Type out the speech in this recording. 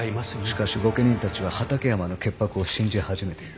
しかし御家人たちは畠山の潔白を信じ始めている。